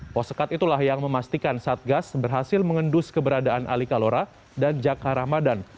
poskat itulah yang memastikan satgas berhasil mengendus keberadaan ali kalora dan jakar ramadan